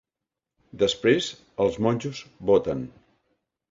Després els monjos voten.